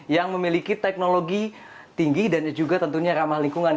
yang memiliki teknologi tinggi dan juga tentunya ramah lingkungan